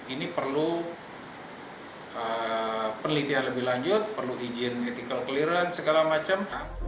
ini perlu penelitian lebih lanjut perlu izin etical clearance segala macam